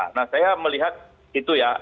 jadi kita sudah melihat itu ya